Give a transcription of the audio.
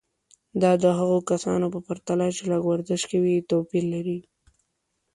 دا د هغو کسانو په پرتله چې لږ ورزش کوي توپیر لري.